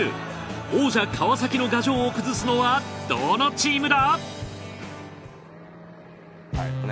王者川崎の牙城を崩すのはどのチームだ！？